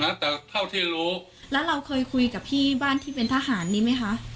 แต่เท่าที่รู้แล้วเราเคยคุยกับพี่บ้านที่เป็นทหารนี้ไหมคะ